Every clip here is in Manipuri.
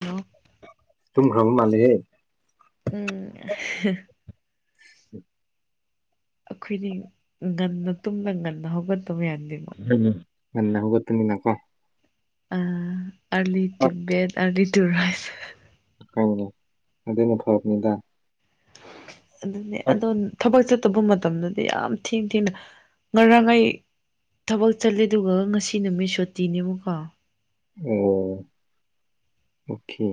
ꯍꯜꯂꯣ ꯇꯨꯝ ꯈ꯭ꯔꯔꯕꯨ ꯃꯥꯟ [unintelligible] ꯎꯝ ꯑꯩꯈꯣꯏꯗꯤ ꯉꯟꯅ ꯇꯨꯝꯗ ꯉꯟꯅꯍꯧꯕ ꯝ ꯃꯒ [unintelligible] ꯅꯤꯡꯅꯀꯣ ꯑ [unintelligible] ꯑꯔꯂꯤ ꯇꯤꯕꯦꯠ ꯑꯔꯂꯤ ꯇ ꯔꯥꯏꯐ ꯀꯅꯤ ꯑꯗꯨꯩꯅ ꯐꯔꯛꯅꯤꯗ ꯍ ꯑꯗꯨꯅꯦ ꯑꯗꯣ ꯊꯕꯛ ꯆꯠ ꯐ ꯇꯕ ꯃꯇꯝꯗꯗꯤ ꯌꯥꯝ ꯊꯦꯡ ꯊꯦꯡꯅ ꯉꯔꯥꯡ ꯑꯩ ꯊꯕꯛ ꯆꯠꯂꯦꯗꯨꯒ ꯉꯁꯤ ꯅꯨꯃꯤꯠ ꯁꯨꯇꯤꯅꯦꯕꯀꯣ ꯑꯣ ꯑꯣꯀꯦ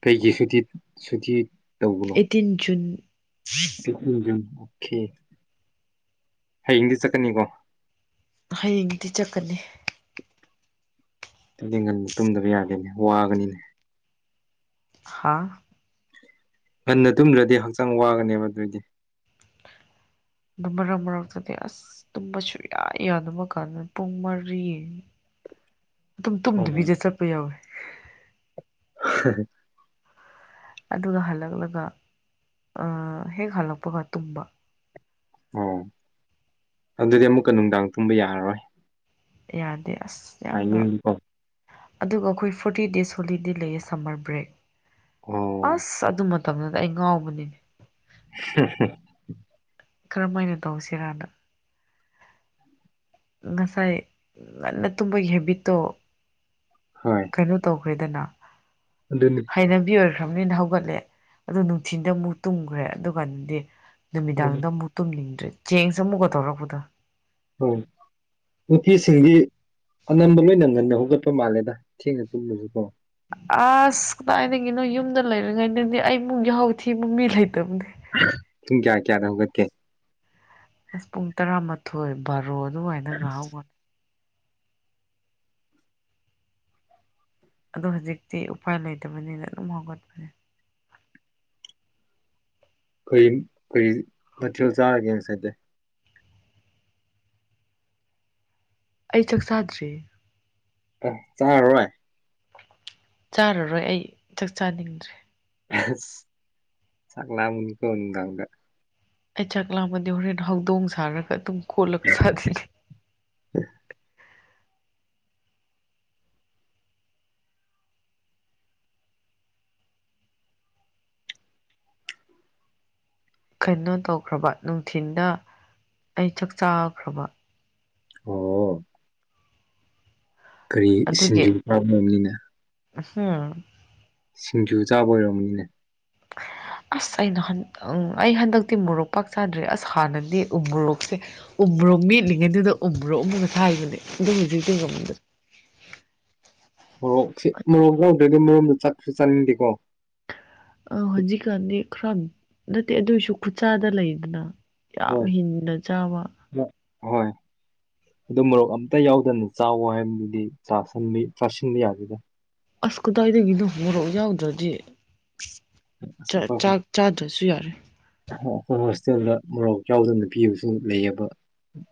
ꯀꯩꯒꯤꯦ ꯁꯇꯤ ꯁꯨꯇꯤ ꯑꯩꯠꯇꯤꯟ ꯖꯨꯟ ꯎꯝ ꯈꯤ ꯍꯌꯦꯡꯗꯤ ꯆꯠꯀꯅꯤꯀꯣ ꯍꯌꯦꯡꯗꯤ ꯆꯠꯀꯅꯤ ꯀꯗꯤ ꯉꯟ ꯇꯨꯝꯗꯕ ꯌꯥꯗꯦꯅꯦ ꯋꯥꯒꯅꯤꯅꯦ ꯍꯥꯥ ꯉꯟꯅ ꯇꯨꯝꯗ꯭ꯔꯗꯤ ꯍꯛꯆꯥꯡ ꯋꯥꯒꯅꯦꯕ ꯑꯗꯨꯑꯣꯏꯗꯤ ꯑꯗꯨ ꯃꯔꯛ ꯃꯔꯛꯇꯗꯤ ꯑꯁ ꯇꯨꯝꯕꯁꯨ ꯌꯥꯏ ꯌꯥ ꯑꯗꯨꯕ ꯀꯥꯟꯗ ꯄꯨꯡ ꯃꯔꯤ ꯑꯗꯨꯝ ꯎꯝ ꯇꯨꯝꯗꯨꯕꯤꯗ ꯆꯠꯄ ꯌꯥꯎꯋꯦ [unintelligible] ꯑꯗꯨꯒ ꯍꯜꯂꯛꯂꯒ ꯑ ꯍꯦꯛ ꯍꯜꯂꯛꯄꯒ ꯇꯨꯝꯕ ꯑꯣ ꯑꯗꯨꯗꯤ ꯑꯃꯨꯛꯀ ꯅꯨꯡꯗꯥꯡ ꯇꯨꯝꯕ ꯌꯥꯔꯔꯣꯏ ꯌꯥꯗꯦ ꯗꯤ ꯑꯁ ꯌꯥꯝꯅ ꯇꯥꯏꯃꯤꯡꯗꯤꯀꯣ ꯑꯗꯨꯒ ꯑꯩꯈꯣꯏ ꯐꯣꯔꯇꯤ ꯗꯦꯖ ꯍꯣꯂꯤꯗꯦ ꯂꯩꯌꯦ ꯁꯝꯃꯔ ꯕ꯭ꯔꯦꯛ ꯑꯣ ꯑꯁ ꯑꯗꯨ ꯑꯗꯨꯃ ꯃꯇꯝꯗꯨꯗ ꯑꯩ ꯉꯥꯎꯕꯅꯤꯅꯦ [inaudible] ꯀꯔꯝꯃꯥꯏꯅ ꯇꯧꯁꯤꯔꯅ ꯉꯁꯥꯏ ꯉꯟꯅ ꯇꯨꯝꯕꯒꯤ ꯍꯦꯕꯤꯠꯇꯣ ꯍꯣꯏ ꯀꯩꯅꯣ ꯇꯧ ꯈꯣꯏꯗꯅ ꯑꯗꯨꯅꯤ ꯍꯩꯅꯕꯤ ꯑꯣꯏꯈ꯭ꯔꯕꯅꯤꯅ ꯍꯧ ꯍꯧꯒꯠꯂꯦ ꯑꯗꯨ ꯅꯨꯡꯊꯤꯟꯗ ꯑꯃꯨꯛ ꯇꯨꯝꯈ꯭ꯔꯦ ꯑꯗꯨ ꯀꯥꯟꯗꯤ ꯅꯨꯃꯤꯗꯥꯡꯗ ꯑꯃꯨꯛ ꯇꯨꯝꯅꯤꯡꯗ꯭ꯔꯦ ꯆꯦꯡꯁꯦ ꯑꯃꯨꯛꯀ ꯇꯧꯔꯛꯄꯗ ꯎꯝ ꯅꯨꯄꯤ ꯁꯤꯡꯗꯤ ꯑꯅꯝꯕ ꯂꯣꯏꯅ ꯉꯟꯅ ꯍꯧꯒꯠꯄ ꯃꯥꯜꯂꯦꯗ ꯊꯦꯡꯅ ꯇꯨꯝꯕꯁꯨ ꯀꯣ ꯑꯁ ꯀꯗꯥꯏꯗꯒꯤꯅꯣ ꯌꯨꯝꯗ ꯂꯩꯔꯤꯉꯩꯗꯗꯤ ꯑꯩꯃꯨꯛ ꯌꯥꯍꯧ ꯊꯦꯡꯕ ꯃꯤ ꯂꯩꯇꯕꯅꯤꯗ ꯄꯨꯡ ꯀꯌꯥ ꯀꯌꯥꯗ ꯍꯧꯒꯠ ꯀꯦ ꯑꯁ ꯄꯨꯡ ꯇꯔꯥꯃꯥꯊꯣꯏ ꯕꯥꯔꯣ ꯑꯗꯨ ꯍꯥꯏꯅ ꯉꯎꯅꯤ ꯑꯗ ꯍꯧꯖꯤꯛꯇꯤ ꯎꯄꯥꯏ ꯂꯩꯇꯕꯅꯤꯅ ꯑꯗꯨꯝ ꯍꯧꯒꯠꯄꯅꯦ ꯀꯔꯤ ꯀꯔꯤ ꯃꯊꯦꯜ ꯆꯥꯔꯒꯦ ꯉꯁꯥꯏꯇꯤ ꯑꯩ ꯆꯥꯛ ꯆꯥꯗ꯭ꯔꯤ ꯑ ꯆꯥꯔꯔꯣꯏ ꯆꯥꯔꯔꯣꯏ ꯑꯩ ꯆꯥꯛ ꯆꯥꯅꯤꯡꯗ꯭ꯔꯦ ꯆꯥꯛ ꯂꯥꯝꯕꯅꯤꯀꯣ ꯅꯨꯃꯤꯗꯥꯡꯗ ꯑꯩ ꯆꯥꯛ ꯂꯥꯝꯃꯗꯤ ꯍꯣꯔꯦꯟ ꯍꯧꯗꯣꯡ ꯁꯥꯔꯒ ꯑꯗꯨꯝ ꯀꯣꯠꯂꯒ ꯆꯥꯈꯤꯅꯤ ꯀꯩꯅꯣ ꯇꯧꯈ꯭ꯔꯕ ꯅꯨꯡꯊꯤꯟꯗ ꯑꯩ ꯆꯥꯛ ꯆꯥꯈ꯭ꯔꯕ ꯑꯣ ꯀꯔꯤ ꯁꯤꯡꯖꯨ ꯐꯥꯕꯣꯝꯅꯤꯅ ꯑꯁꯦ ꯁꯤꯡꯖꯨ ꯆꯥꯕ ꯑꯣꯏꯔꯝꯃꯣꯏꯅꯦ ꯑꯁ ꯑꯩ ꯅꯍꯥꯟ ꯑꯩ ꯍꯟꯗꯛꯇꯤ ꯃꯣꯔꯣꯛ ꯄꯥꯛ ꯆꯥꯗ꯭ꯔꯦ ꯑꯁ ꯍꯥꯟꯅꯗꯤ ꯎ ꯃꯣꯔꯣꯛꯁꯦ ꯎꯃꯨꯔꯣꯛ ꯃꯦꯠꯂꯤꯉꯩꯗꯨꯗ ꯎꯃꯣꯔꯣꯛ ꯑꯃꯒ ꯁꯥꯥꯏꯕꯅꯦ ꯑꯗꯨ ꯍꯧꯖꯤꯛꯇꯤ ꯉꯝꯗꯦ ꯃꯣꯔꯣꯛꯁꯤ ꯃꯣꯔꯣꯛ ꯌꯥꯎꯗ꯭ꯔꯗꯝ ꯃꯔꯨꯝꯗ ꯆꯥꯛꯁꯨ ꯆꯥꯅꯤꯡꯗꯦꯀꯣ ꯑ ꯍꯧꯖꯤ ꯀꯥꯟꯗꯤ ꯈꯔ ꯅꯠꯇꯦ ꯑꯗꯨ ꯑꯣꯏꯁꯨ ꯈꯨꯠꯆꯥꯥꯗ ꯂꯩꯗꯅ ꯌꯥꯝ ꯍꯤꯡꯅ ꯆꯥꯕ ꯑꯣꯏ ꯑꯗꯨ ꯃꯣꯔꯣꯛ ꯑꯝꯇ ꯌꯥꯎꯗꯅ ꯆꯋ ꯍꯥꯏꯗꯨꯗꯤ ꯆꯥꯁꯤꯟꯕ ꯌꯥꯗꯦꯗ ꯑꯁ ꯀꯗꯥꯏꯗꯒꯤꯅꯣ ꯍꯧꯣꯔꯛꯑꯣ ꯌꯥꯎꯗ꯭ꯔꯗꯤ ꯆꯥꯛ ꯆꯥꯗ꯭ꯔꯁꯨ ꯌꯥꯔꯦ ꯈꯣꯏꯁꯗ ꯃꯣꯔꯣꯛ ꯆꯥꯎꯗꯅ ꯄꯤꯕꯁꯨ ꯂꯩꯑꯕ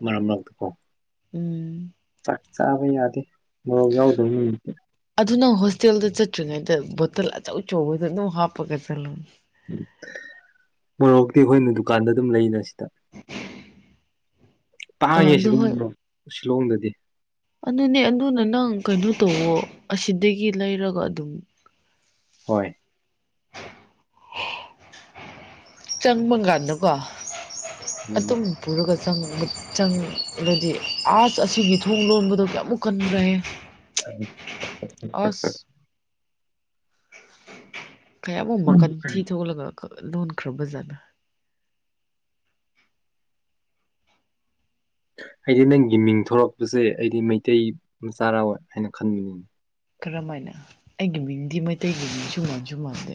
ꯃꯔꯛ ꯃꯔꯛꯇꯀꯣ ꯎꯝ ꯆꯥꯛ ꯆꯥꯕ ꯌꯥꯗꯦ ꯍ ꯌꯥꯎꯗꯣ ꯎꯝ ꯍꯣꯇꯦꯜꯗ ꯆꯠꯇ꯭ꯔꯤꯉꯩꯗ ꯕꯣꯇꯜ ꯑꯆꯧꯆꯧꯕꯗ ꯑꯗꯨꯝ ꯍꯥꯞꯄꯒ ꯆꯠꯂꯨ ꯎꯝ ꯃꯣꯔꯣꯛꯇꯤ ꯑꯩꯈꯣꯏꯅ ꯗꯨꯀꯥꯟꯗ ꯑꯗꯨꯝ ꯂꯩꯅꯁꯤ ꯑꯥ ꯇꯥꯡꯉꯦ ꯁꯤ ꯑꯗꯨ ꯍꯣꯏ ꯑꯗꯨꯝꯣ ꯁꯤꯂꯣꯡꯗꯗꯤ ꯑꯗꯨꯅꯦ ꯑꯗꯨꯅ ꯅꯪ ꯀꯩꯅꯣ ꯇꯧꯋꯣ ꯑꯁꯤꯗꯒꯤ ꯂꯩꯔꯒ ꯑꯗꯨꯝ ꯍꯣꯏ ꯆꯪꯕ ꯀꯥꯟꯗꯀꯣ ꯑꯗꯨ ꯎꯝ ꯑꯗꯨꯝ ꯔꯒꯁ ꯆꯪꯕ ꯆꯪꯗꯗꯤ ꯑꯥꯔꯠꯁ ꯑꯁꯤꯒꯤ ꯊꯣꯡ ꯂꯣꯟꯕꯗꯣ ꯀꯌꯥꯃꯨꯛ ꯀꯟꯈ꯭ꯔꯦ ꯑꯁ ꯀꯌꯥꯃꯨꯛ ꯃꯈꯟ ꯊꯤ ꯊꯣꯛꯂꯒ ꯂꯣꯟꯈ꯭ꯔꯕꯕꯖꯅ ꯑꯩꯗꯤ ꯅꯪꯒꯤ ꯃꯤꯡ ꯊꯣꯔꯛꯄꯁꯦ ꯑꯩꯗꯤ ꯃꯩꯇꯩ ꯃꯆꯥꯔꯥꯑꯣꯣꯏ ꯍꯥꯏꯅ ꯈꯟꯕꯅꯤꯅꯦ ꯀꯔꯝꯃ ꯍꯥꯏꯅ ꯑꯩꯒꯤ ꯃꯤꯡꯗꯤ ꯃꯩꯇꯩꯒꯤ ꯃꯤꯡꯁꯨ ꯃꯥꯟꯁꯨ ꯃꯥꯟꯗꯦ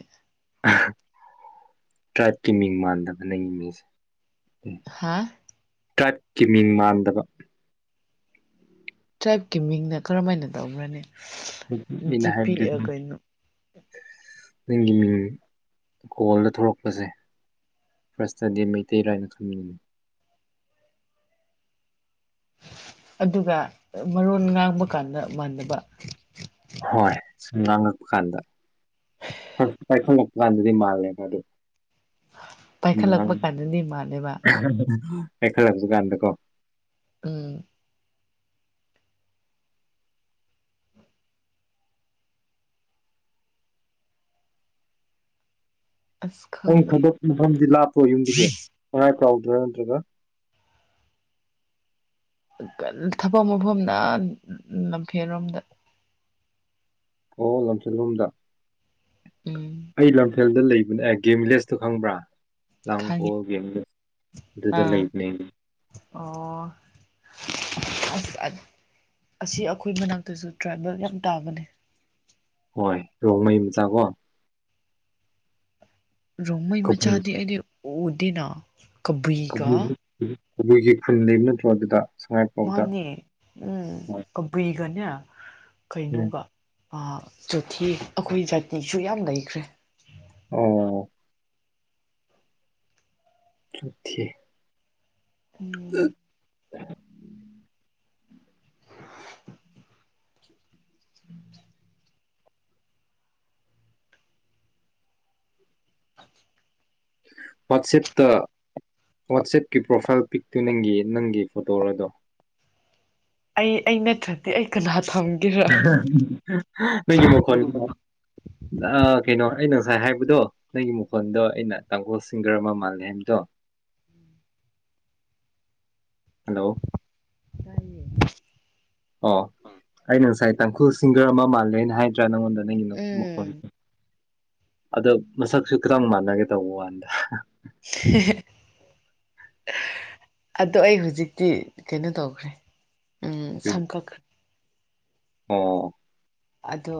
ꯇ꯭ꯔꯥꯏꯞꯀꯤ ꯃꯤꯡ ꯃꯥꯟꯗꯕ ꯅꯪꯒꯤ ꯃꯤꯁꯦ ꯍꯥ ꯀ ꯀꯤ ꯃꯤꯡ ꯃꯥꯟꯗꯕ ꯇ꯭ꯔꯥꯏꯞꯀꯤ ꯃꯤꯡꯅ ꯀꯔꯝ ꯍꯥꯏꯅ ꯇꯧꯕ꯭ꯔꯅꯤ ꯃꯤꯩꯅ ꯍꯥꯏꯕꯗꯤ ꯅꯪꯒꯤ ꯃꯤꯡ ꯏꯀꯣꯣꯜꯗ ꯊꯣꯛꯂꯛꯄꯁꯦ ꯐꯥꯔꯁꯇꯗꯤ ꯃꯩꯇꯩꯔꯥꯏꯅ ꯈꯪꯉꯤꯅꯤ ꯑꯗꯨꯒ ꯃꯔꯣꯟ ꯉꯥꯡꯕ ꯀꯥꯟꯗ ꯃꯥꯟꯅꯕ ꯍꯣꯏ ꯁꯨꯝ ꯉꯥꯡꯉꯛꯄ ꯀꯥꯟꯗ ꯄꯥꯏꯈꯠꯂꯛꯄ ꯀꯥꯟꯗꯗꯤ ꯃꯥꯜꯂꯦꯕ ꯑꯗꯨꯗꯣ ꯄꯥꯏꯈꯠꯂꯛꯄ ꯀꯥꯟꯗꯗꯤ ꯃꯥꯜꯂꯦꯕ ꯑꯦꯈꯂꯁꯨ ꯀꯥꯟꯗꯀꯣ ꯑꯝ ꯑꯁ ꯅꯪꯒꯤ ꯈꯪꯗꯦ ꯊꯕꯛ ꯃꯐꯝꯗꯤ ꯂꯥꯞꯄ꯭ꯔꯣ ꯌꯨꯝꯗꯒꯤꯥ? [unintelligible] ꯀꯥꯎꯗ꯭ꯔ ꯅꯠꯇ꯭ꯔꯒ ꯀꯟ ꯊꯕꯛ ꯃꯐꯝꯅ [unintelligible] ꯎꯝ ꯂꯝꯐꯦꯟꯔꯣꯝꯗ꯫ ꯑꯣ ꯂꯝꯁꯤꯜꯂꯨꯝꯗ? ꯎꯝ ꯑꯩ ꯂꯝ ꯐꯜꯗ ꯂꯩꯕꯅꯦ ꯑꯦ ꯒꯦꯝꯚꯤꯂꯦꯁꯇꯣ ꯈꯪꯕ꯭ꯔ? ꯈꯪꯉꯤ ꯂꯥꯡꯒꯣꯜ ꯒꯦꯝꯒ ꯑꯗꯨꯗ ꯑꯥ ꯂꯩꯕꯅꯦ ꯑꯩ ꯑꯣ ꯑꯁ ꯑꯠ ꯑꯁꯤ ꯑꯈꯣꯏ ꯃꯅꯥꯛꯇꯨꯁꯨ ꯇ꯭ꯔꯥꯏꯕꯦꯜ ꯌꯝ ꯇꯥꯕꯅꯦ꯫ ꯍꯣꯏ ꯔꯣꯡꯃꯩ ꯃꯆꯥ ꯀꯣ? ꯔꯣꯡꯃꯩ ꯀꯕꯨ ꯃꯆꯥꯗꯤ ꯑꯩꯗꯤ ꯑꯣ ꯗꯤ ꯅ ꯀꯕꯨꯏꯒꯥ ꯀꯕꯨ ꯀꯕꯨꯏꯒꯤ ꯈꯨꯟ ꯂꯩꯕ ꯅꯠꯇ꯭ꯔꯣ ꯑꯗꯨꯗ? ꯁꯉꯥꯏꯄ꯭ꯔꯧꯗ ꯃꯥꯅꯦ ꯎꯝ ꯍꯣꯏ ꯀꯕꯨꯏꯒꯅꯦ ꯎꯝ ꯀꯩꯅꯣꯒ ꯑꯥ ꯆꯣꯊꯦ ꯑꯈꯣꯏ ꯖꯥꯇꯤꯁꯨ ꯌꯥꯝ ꯂꯩꯈ꯭ꯔꯦ꯫ ꯑꯣ ꯆꯣꯊꯦ ꯎꯝ [inaudible] ꯋꯠꯆꯦꯞꯇ ꯋꯠꯆꯦꯞꯀꯤ ꯄ꯭ꯔꯣꯐꯥꯜꯏ ꯄꯤꯛꯇꯨ ꯅꯪꯒꯤ ꯅꯪꯒꯤ ꯐꯣꯇꯣꯔ ꯗꯣ? ꯑꯩ ꯑꯩ ꯅꯠꯇ꯭ꯔꯗꯤ ꯑꯩ ꯀꯅꯥꯥ [unintelligible] ꯅꯪꯒꯤ ꯃꯈꯣꯟ [unintelligible] ꯑꯥ ꯀꯩꯅꯣ ꯑꯩꯅ ꯉꯁꯥꯏ ꯍꯥꯏꯕꯗꯣ ꯅꯪꯒꯤ ꯃꯈꯣꯟꯗꯣ ꯑꯩꯅ ꯇꯥꯡꯈꯨꯜ ꯁꯤꯡꯒꯔ ꯑꯃ ꯃꯥꯜꯂꯦ ꯍꯥꯏꯕꯗꯣ ꯍꯜꯂꯧ? ꯇꯥꯏꯌꯦ ꯑꯣ ꯑꯩꯅ ꯉꯁꯥꯏ ꯇꯥꯡꯈꯨꯜ ꯁꯤꯡꯒꯔ ꯑꯃ ꯃꯥꯜꯂꯦꯅ ꯍꯥꯏꯗ꯭ꯔꯥ ꯅꯪꯉꯣꯟꯗ? ꯅꯪꯒꯤꯅ ꯃꯈꯣꯟ ꯎꯝ ꯑꯗꯣ ꯃꯁꯛꯁꯨ ꯀꯔꯝ ꯃꯥꯟꯅꯒꯦ ꯇꯧꯕ ꯋꯅꯦꯗ꯫ [unintelligible] ꯑꯗꯣ ꯑꯩ ꯍꯧꯖꯤꯛꯇꯤ ꯀꯩꯅꯣ ꯇꯧꯈ꯭ꯔꯦ ꯎꯝ ꯁꯝꯈꯛꯈ꯭ꯔꯦ ꯑꯣ ꯑꯗꯣ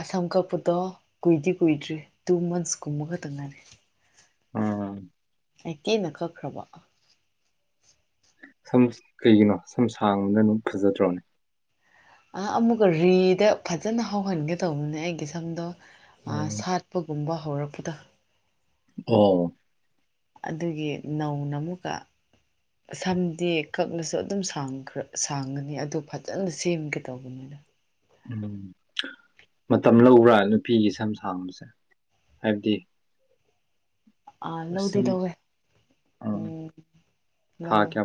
ꯑꯁꯝ ꯀꯛꯄꯗꯣ ꯀꯨꯏꯗꯤ ꯀꯨꯏꯗ꯭ꯔꯤ ꯇꯨ ꯃꯟꯁ ꯀꯨꯝꯕ ꯈꯛꯇꯪ ꯉꯅꯤ꯫ ꯎꯝ ꯑꯩ ꯀꯦꯅ ꯀꯛꯈ꯭ꯔꯕ ꯁꯝ ꯀꯩꯒꯤꯅꯣ ꯁꯝ ꯁꯥꯡꯕꯅ ꯑꯗꯨꯝ ꯐꯖꯗ꯭ꯔꯣꯅꯦ? ꯑꯥ ꯑꯃꯨꯛꯀꯥ ꯔꯤꯗ ꯐꯖꯅ ꯍꯧꯍꯟꯒꯦ ꯇꯧꯕꯅꯦ ꯑꯩꯒꯤ ꯁꯝꯗꯣ ꯑꯥ ꯎꯝ ꯁꯥꯠꯄꯒꯨꯝꯕ ꯍꯧꯔꯛꯄꯗ ꯑꯣ ꯑꯗꯨꯒꯤ ꯅꯧꯅ ꯑꯃꯨꯛꯀ ꯁꯝꯗꯤ ꯀꯛꯅꯁꯨ ꯑꯗꯨꯝꯈ꯭ꯔ ꯁꯥꯡꯒꯅꯤ ꯑꯗꯨ ꯐꯖꯅ ꯁꯦꯝꯒꯦ ꯇꯧꯕꯅꯤꯅ ꯎꯝ ꯃꯇꯝ ꯂꯧꯕ꯭ꯔꯥ ꯅꯨꯄꯤꯒꯤ ꯁꯝ ꯁꯥꯡꯕꯁꯦ ꯍꯥꯏꯕꯗꯤ ꯑꯥ ꯑ ꯂꯧꯗꯤ ꯂꯧꯋꯦ ꯎꯝ ꯊꯥ ꯂꯧꯋꯦ ꯀ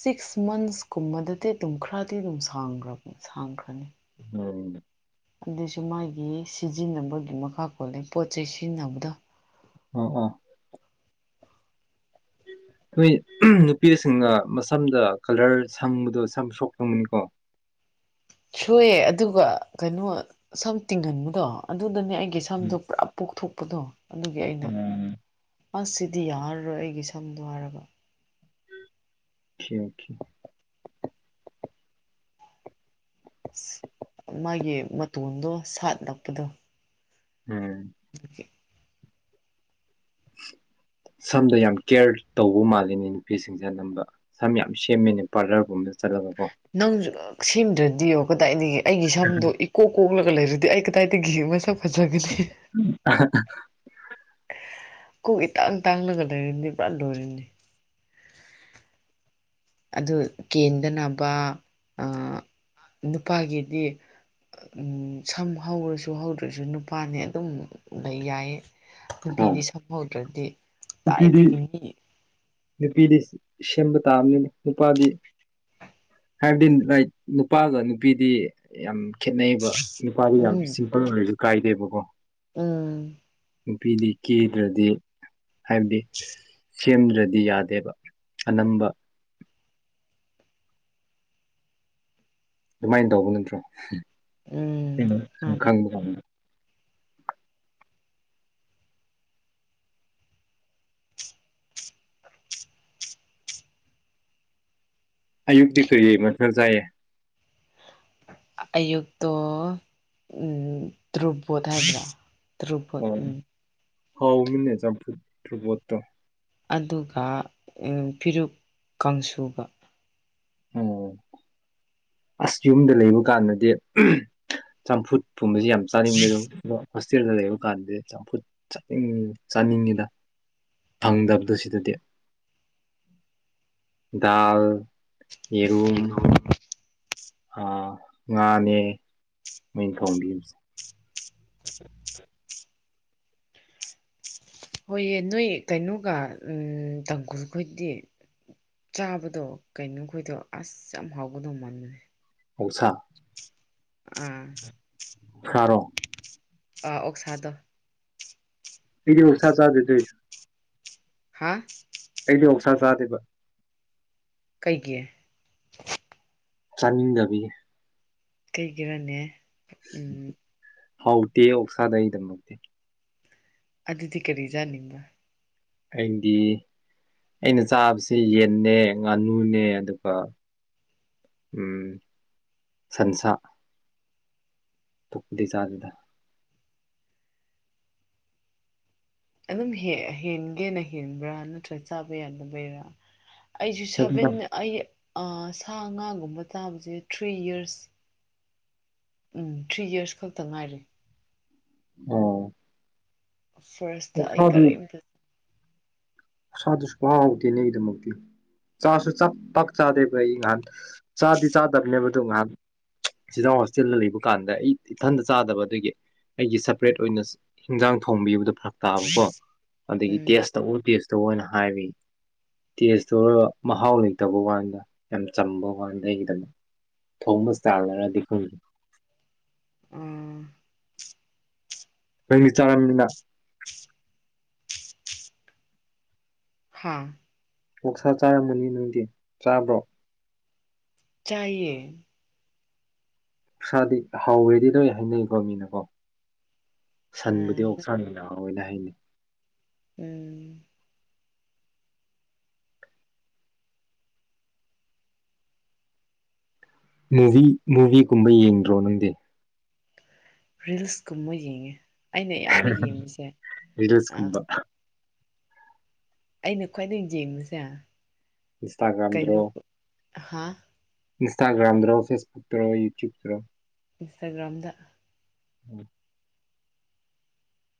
ꯁꯤꯛꯁ ꯃꯟꯁ ꯀꯨꯝꯕꯗꯗꯤ ꯑꯗꯨꯝ ꯈꯔꯗꯤ ꯑꯗꯨꯝ ꯁꯥꯡꯈ꯭ꯔ ꯁꯥꯡꯈ꯭ꯔꯅꯤ ꯎꯝ ꯑꯗꯨꯏꯁꯨ ꯃꯥꯒꯤ ꯁꯤꯖꯤꯟꯅꯕꯒꯤ ꯃꯈꯥ ꯄꯣꯜꯂ ꯄꯣꯠ ꯆꯩꯩ ꯁꯤꯖꯤꯟꯅꯕꯗ ꯑ ꯑꯥ ꯑꯩꯈꯣꯏ ꯅꯨꯄꯤꯁꯤꯡꯅ ꯃꯁꯝꯗ ꯀꯂꯔ ꯁꯪꯕꯗꯣ ꯁꯝ ꯁꯣꯛ ꯐꯪꯒꯅꯤꯀꯣ ꯁꯣꯏꯑꯦ ꯑꯗꯨꯒ ꯀꯩꯅꯣ ꯁꯝ ꯇꯤꯡꯍꯟꯕꯗꯣ ꯑꯗꯨꯗꯅꯦ ꯎꯝ ꯁꯝꯗꯨꯣ ꯄꯨꯔꯥ ꯄꯣꯛꯊꯣꯛ ꯎꯞꯄꯗꯣ ꯑꯗꯨꯒꯤ ꯑꯩꯅ ꯑꯣꯀꯦ ꯑꯁ ꯁꯤꯗꯤ ꯌꯥꯔꯔꯣꯏ ꯑꯩꯒꯤ ꯁꯝꯗꯣ ꯍꯥꯏꯔꯕ ꯁꯤ ꯑꯣꯀꯦ ꯃꯥꯒꯤ ꯃꯇꯣꯟꯗꯣ ꯁꯥꯠ ꯅꯛꯄꯗꯣ ꯎꯝ ꯑꯗꯨꯦ ꯁꯝꯗ ꯌꯥꯝ ꯀꯦꯌꯔ ꯇꯧꯕ ꯃꯥꯜꯂꯤꯅꯦ ꯅꯨꯄꯤꯁꯤꯡꯁꯦ ꯑꯅꯝꯕ ꯁꯝ ꯌꯥꯝ ꯁꯦꯝꯃꯤꯅꯦ ꯄꯥꯔꯂꯔꯒꯨꯝꯕ ꯆꯔ ꯀꯣ ꯅꯪꯁꯨ ꯁꯦꯝꯗ꯭ꯔꯗꯤꯌꯣ ꯀꯗꯥꯏꯗꯒꯤ ꯑꯩꯒꯤ ꯁꯝꯗꯣ ꯏꯀꯣꯛ ꯀꯣꯛꯂ ꯂꯩꯔꯗꯤ ꯑꯩ ꯀꯗꯥꯏꯗ ꯤꯅ [unintelligible] ꯀꯣꯛ ꯏ ꯇꯥꯡ ꯇꯥꯡꯂꯒ ꯂꯩꯔꯤꯅꯤ ꯄꯨꯥ ꯂꯣꯏꯔꯅꯤ ꯑꯗꯨ ꯀꯦꯟꯗꯅꯕ ꯅꯨꯄꯥꯒꯤꯗꯤ ꯁꯝ ꯍꯧꯔꯁꯨ ꯍꯧꯗ꯭ꯔꯁꯨ ꯅꯨꯄꯥꯅꯤ ꯑꯗꯨꯝ ꯂꯩ ꯌꯥꯏꯌꯦ ꯎꯝ ꯅꯨꯄꯤꯗꯤ ꯁꯝꯍꯧꯗ꯭ꯔꯗꯤ ꯅꯨꯄꯤꯗꯤ ꯇꯥꯏꯗꯨꯒꯤ ꯃꯤ ꯅꯨꯄꯤꯗꯤ ꯁꯦꯝꯕ ꯇꯥꯑꯕꯅꯤꯅ ꯅꯨꯄꯥꯗꯤ ꯍꯥꯏꯕꯗꯤ ꯔꯥꯏꯠ ꯅꯨꯄꯥꯒ ꯅꯨꯄꯤꯗꯤ ꯌꯥꯝ ꯈꯦꯠꯅꯩꯕ ꯅꯨꯄꯥꯗꯤ ꯌꯥꯝ ꯎꯝ ꯁꯤꯝꯄꯜ ꯑꯣꯏꯔꯁꯨ ꯀꯥꯏꯗꯦꯕ ꯑꯣ ꯎꯝ ꯅꯨꯄꯤꯗꯤ ꯀꯤꯗ꯭ꯔꯗꯤ ꯍꯥꯏꯕꯗꯤ ꯁꯦꯝꯗ꯭ꯔꯗꯤ ꯌꯥꯗꯦꯕ ꯑꯅꯝꯕ ꯑꯗꯨꯃꯥꯏꯅ ꯇꯧꯕ ꯅꯠꯇ꯭ꯔꯣ ꯎꯝ ꯅ ꯃꯥꯅꯤ ꯁꯪꯈꯜ ꯑꯌꯨꯛꯇꯤ ꯀꯔꯤ ꯃꯊꯛ ꯆꯥꯏꯌꯦ ꯑꯌꯨꯛꯇꯛꯇ ꯭ꯔꯨꯕꯣꯗ ꯍꯖ꯭ꯔ ꯇꯨꯕ ꯑꯣ ꯎꯝ ꯍꯥꯎꯃꯤꯅꯦ ꯆ ꯐ ꯐꯨꯕꯣꯠꯇ ꯑꯗꯨꯒ ꯐꯤꯔꯨꯛ ꯀꯥꯡꯁꯨꯕ ꯑꯣꯝ ꯑꯁ ꯌꯨꯝꯗ ꯂꯩꯕ ꯀꯥꯟꯗꯗꯤ ꯆꯝꯐꯨꯠ ꯊꯨꯝꯕꯁꯤ ꯌꯥꯝ ꯆꯥꯅꯤꯡꯗꯦ ꯑ ꯍꯣꯁꯇꯦꯜꯗ ꯂꯩꯕ ꯀꯥꯟꯗꯗꯤ ꯆꯝꯐꯨꯠ ꯆꯅꯤꯡ ꯆꯥꯅꯤꯡꯉꯤꯗ ꯐꯪꯗꯕꯗꯨ ꯁꯤꯗꯗꯤ ꯗꯥꯜ ꯌꯦꯔꯨꯝꯨꯝ ꯑꯥ ꯉꯥꯅꯦ ꯃꯡ ꯈꯣꯡꯕꯤꯝꯁꯦ [unintelligible] ꯍꯣꯏꯌꯦ ꯅꯣꯏ ꯀꯩꯅꯣꯒ ꯇꯥꯡꯈꯨꯜꯈꯣꯏꯗꯤ ꯆꯥꯕꯗꯣ ꯀꯩꯅꯣꯈꯣꯏꯗꯣ ꯑꯁ ꯌꯥꯝ ꯍꯥꯎꯒꯗꯧ ꯃꯥꯟꯕꯅꯦ ꯍꯧꯁ ꯑꯥ ꯁꯔꯣ ꯑꯥ ꯑꯣꯛꯁꯥꯗꯣ ꯐꯤꯗꯤ ꯑꫭꯛꯁꯥ ꯆꯥꯗꯦ [unintelligible] ꯍꯥ ꯑꫭꯛꯁꯥ ꯆꯥꯗꯦꯕ ꯀꯩꯒꯤ ꯆꯥꯅꯤꯗꯕꯒꯤ ꯀꯩꯒꯤꯔꯅꯦ ꯎꯝ ꯍꯥꯎꯗꯦ ꯑꯣꯛꯁꯥꯗ ꯑꯩꯗꯝꯃꯗꯦ ꯑꯗꯨꯗꯤ ꯀꯔꯤ ꯆꯥꯅꯤꯡꯕ ꯑꯩꯗꯤ ꯑꯩꯅ ꯆꯥꯕꯁꯤ ꯌꯦꯟꯅꯦ ꯉꯥꯅꯨꯅꯦ ꯑꯗꯨꯒ ꯁꯟꯁꯥ ꯑꯇꯥꯞ ꯄꯥꯗꯤ ꯆꯥꯗꯦꯗ ꯑꯗꯨꯝ ꯍꯦꯟꯒꯦꯅ ꯍꯦꯟꯕ꯭ꯔꯥ ꯅꯠꯇ꯭ꯔꯒ ꯆꯥꯕ ꯌꯥꯗꯕꯩꯔꯥ ꯑꯩꯁꯨ ꯑꯗꯨꯒ ꯁꯕꯦꯟ ꯑꯩ ꯁꯥ ꯉꯥꯒꯨꯝꯕ ꯆꯥꯕꯁꯦ three years um three years ꯈꯛꯇ ꯉꯥꯏꯔꯦ ꯑꯣ ꯐꯔꯁꯇ ꯑꯩ ꯀꯔꯔꯤ ꯊꯖ ꯑꯁꯥꯗꯨꯁꯨ ꯈꯥꯎꯍꯧꯗꯦꯅꯦꯒꯤꯗꯃꯛꯇꯤ ꯆꯥꯁꯨ ꯆꯥꯛ ꯄꯥꯛ ꯆꯥꯗꯦꯕ ꯑꯩ ꯉꯍꯥꯟ ꯆꯥꯗꯤ ꯆꯥꯗꯕꯅꯦꯕꯗꯣ ꯉꯍꯥꯟ ꯆꯤꯖꯥꯛ ꯍꯣꯁꯇꯦꯜꯗ ꯂꯩꯕ ꯀꯥꯟꯗ ꯑꯩ ꯏꯊꯟꯇ ꯆꯥꯗꯕ ꯑꯗꯒꯤ ꯑꯩꯒꯤ ꯁꯦꯄꯔꯦꯠ ꯑꯣꯏꯅ ꯍꯤꯟꯖꯥꯡ ꯊꯣꯡꯕꯤꯕꯗꯣ ꯐꯔ ꯇꯥꯕꯀꯣ ꯑꯗꯒꯤ ꯎꯝ ꯇꯦꯁ ꯇꯧꯕ ꯇꯦꯁ ꯇꯨ ꯑꯣꯏꯅ ꯍꯥꯏꯔꯤ ꯇꯦꯁꯇ ꯑꯣꯏ ꯃꯍꯥꯎ ꯂꯩꯇꯕ ꯀꯥꯟꯗ ꯌꯥꯝ ꯆꯝꯕ ꯀꯥꯟꯗ ꯑꯩꯒꯤꯗꯃꯛ ꯊꯣꯡꯕ ꯆꯥꯛꯅꯔꯗꯤ ꯈꯪꯗꯦ ꯑꯥ ꯅꯪꯗꯤ ꯆꯥꯔꯝꯅꯤꯅ ꯍꯥꯥ ꯑꫭꯛꯁꯥ ꯆꯥꯔꯝꯃꯅꯤ ꯅꯪꯗꯤ ꯆꯥꯕ꯭ꯔꯣ ꯆꯥꯏꯌꯦ ꯑꫭꯛꯁꯥꯥꯗꯤ ꯍꯥꯎꯋꯦꯗꯤ ꯂꯣꯏ ꯍꯥꯏꯅꯩꯀꯣ ꯃꯤꯅꯀꯣ ꯁꯟꯕꯨꯗꯤ ꯑꯥ ꯑꯣꯛꯁꯥꯅ ꯌꯦꯟꯅ ꯍꯧꯋꯦꯅ ꯍꯥꯏꯅꯩ ꯎꯝ ꯃꯨꯚꯤ ꯃꯨꯕꯤꯒꯨꯝꯕ ꯌꯦꯡꯗ꯭ꯔꯣ ꯅꯪꯗꯤ ꯔꯤꯜꯁꯀꯨꯝꯕ ꯌꯦꯡꯉꯦ ꯑꯩꯅ ꯏꯌꯥꯝꯕ ꯌꯦꯡꯉꯤꯁꯦ ꯑ ꯔꯤꯜꯁꯀꯨꯝꯕ ꯑꯩꯅ ꯈ꯭ꯋꯥꯏꯗꯒꯤ ꯌꯦꯡꯕꯁꯦ ꯏꯟꯁꯇꯥꯒ꯭ꯔꯥꯝꯗ꯭ꯔꯣ ꯀꯩꯅꯣ ꯍꯥ ꯏꯟꯁꯇꯥꯒ꯭ꯔꯥꯝꯗꯣ ꯐꯦꯁꯕꯨꯛꯇꯔꯣ ꯌꯨꯇ꯭ꯌꯨꯞꯇꯔꯣ ꯏꯟꯁꯇꯥꯒ꯭ꯔꯥꯝꯗ ꯎꯝ